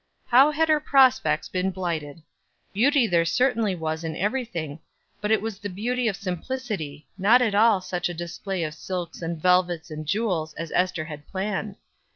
How had her prospects been blighted! Beauty there certainly was in everything, but it was the beauty of simplicity, not at all such a display of silks and velvets and jewels as Ester had planned.